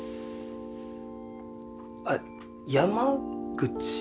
あっ山口。